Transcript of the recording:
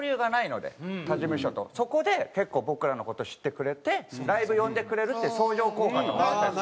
そこで結構僕らの事知ってくれてライブ呼んでくれるっていう相乗効果とかあったり。